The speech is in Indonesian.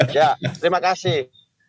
ya terima kasih